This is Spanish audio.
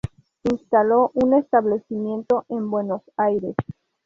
Instaló un establecimiento en Buenos Aires.